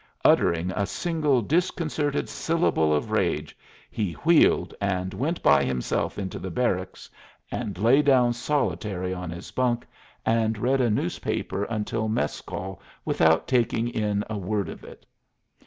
Uttering a single disconcerted syllable of rage, he wheeled and went by himself into the barracks, and lay down solitary on his bunk and read a newspaper until mess call without taking in a word of it.